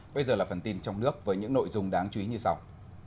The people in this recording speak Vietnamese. bây giờ là phần tin trong nước với những nội dung đáng chú ý như sau